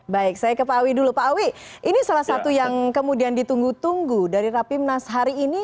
baik saya ke pak awi dulu pak awi ini salah satu yang kemudian ditunggu tunggu dari rapimnas hari ini